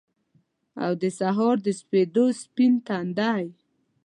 او دسهار دسپیدو ، سپین تندی